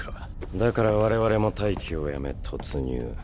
だから我々も待機をやめ突入。